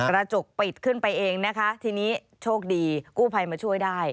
กระจกปิดขึ้นไปเองนะคะทีนี้โชคดีกู้ภัยมาช่วยได้